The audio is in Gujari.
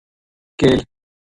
کیل